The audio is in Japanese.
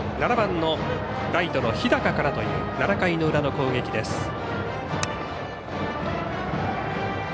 ７番のライトの日高からという７回の裏の攻撃です。